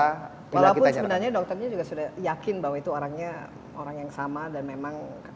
walaupun sebenarnya dokternya sudah yakin bahwa itu orangnya orang yang sama